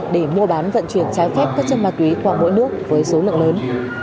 để mua bán vận chuyển trái phép các chân ma túy qua mỗi nước với số lượng lớn